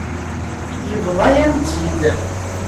Yebḍa-yam-tt-id.